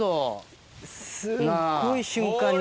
すごい瞬間に。